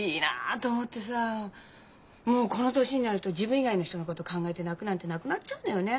もうこの年になると自分以外の人のこと考えて泣くなんてなくなっちゃうのよね。